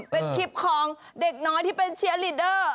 เป็นคลิปของเด็กน้อยที่เป็นเชียร์ลีเดอร์